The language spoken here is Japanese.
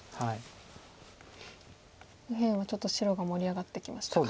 右辺はちょっと白が盛り上がってきましたか。